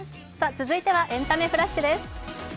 続いては「エンタメフラッシュ」です。